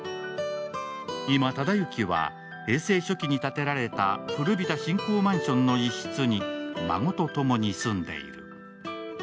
今、忠之は平成初期に建てられた古びた新興マンションの一室に、孫とともに住んでいる。